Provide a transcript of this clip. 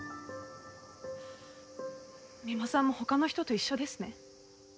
三馬さんも他の人と一緒ですね。